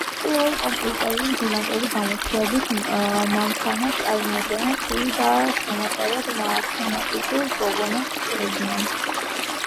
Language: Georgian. პირველი კომპიუტერები გიგანტურ გამომთვლელ მანქანებს წარმოადგენდნენ, რთულ და შრომატევად მათემატიკურ პრობლემებს ჭრიდნენ